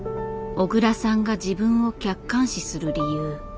小倉さんが自分を客観視する理由。